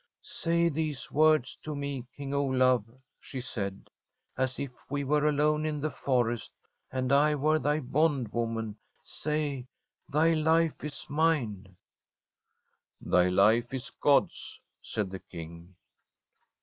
* Say these words to me. King Olaf,' she said, ' as if we were alone in the forest, and I were thy bondwoman. Say :" Thy life is mine." '' Thy life is God's,' said the King.